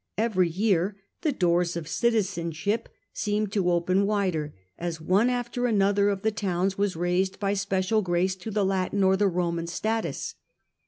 Every year the doors of citizenship seemed to open wider as one after another of the towns was raised by special grace to ^ the Latin or the Roman status.